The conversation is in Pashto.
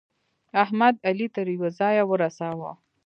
احمد؛ علي تر يوه ځايه ورساوو.